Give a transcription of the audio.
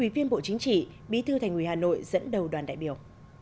đồng chí bí thư thành quỳ hà nội dẫn đầu đoàn đại biểu